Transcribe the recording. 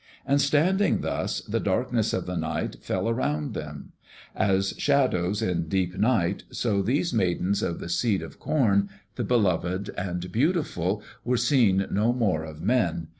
And standing thus, the darkness of the night fell around them. As shadows in deep night, so these Maidens of the Seed of Corn, the beloved and beautiful, were seen no more of men.